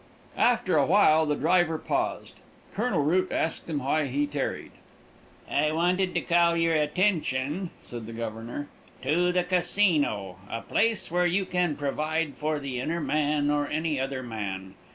After a while the driver paused. Colonel Root asked him why he tarried. "I wanted to call your attention," said the Governor, "to the Casino, a place where you can provide for the inner man or any other man.